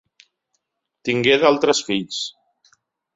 Tingué d'altres fills.